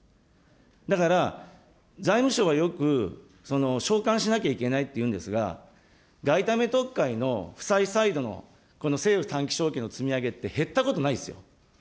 だから、財務省はよく、償還しなきゃいけないというんですが、外為特会の負債サイドのこの政府短期証券の積み上げって減ったことないですよ。